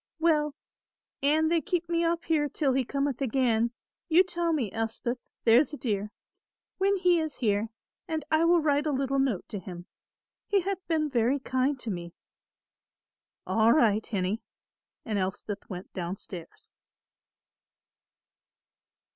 "Well, an they keep me up here till he cometh again, you tell me, Elspeth, there's a dear, when he is here; and I will write a little note to him. He hath been very kind to me." "All right, hinnie," and Elspeth went down stairs.